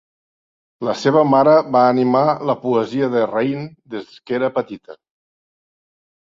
La seva mare va animar la poesia de Raine des que era petita.